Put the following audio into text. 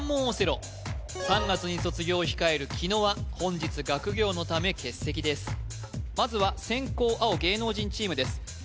オセロ３月に卒業を控える紀野は本日学業のため欠席ですまずは先攻青芸能人チームです